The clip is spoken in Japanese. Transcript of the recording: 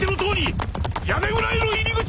屋根裏への入り口あり。